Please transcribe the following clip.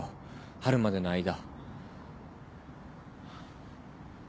春までの間。